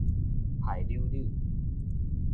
害溜溜